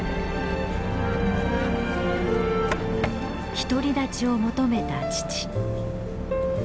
独り立ちを求めた父。